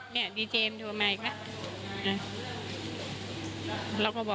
ไม่ตั้งใจครับ